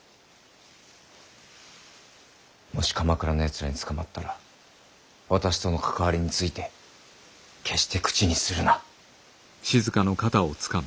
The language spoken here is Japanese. もし鎌倉のやつらに捕まったら私との関わりについて決して口にするな。